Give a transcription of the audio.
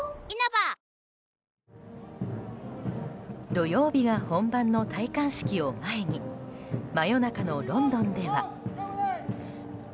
土曜日が本番の戴冠式を前に真夜中のロンドンでは。